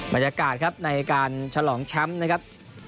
บรรยากาศครับในการฉลองแชมป์นะครับ